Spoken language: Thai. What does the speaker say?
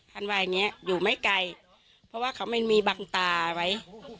ท่านว่าอย่างนี้อยู่ไม่ไกลเพราะว่าเขาไม่มีบังตาไว้